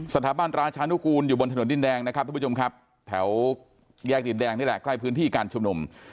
สถาบันราชานุกูลอยู่บนถนนดินแดงนะครับทุกผู้ชมครับแถวแยกดินแดงนี่แหละใกล้พื้นที่การชุมนุม